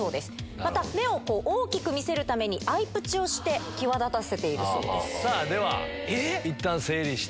また、目を大きく見せるために、アイプチをして際立たせているそさあ、ではいったん整理して。